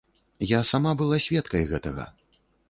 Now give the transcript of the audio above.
Я сама была сведкай гэтага.